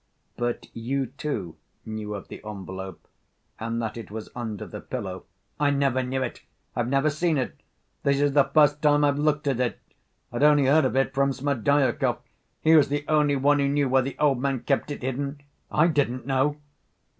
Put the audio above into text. "But you, too, knew of the envelope and that it was under the pillow." "I never knew it. I've never seen it. This is the first time I've looked at it. I'd only heard of it from Smerdyakov.... He was the only one who knew where the old man kept it hidden, I didn't know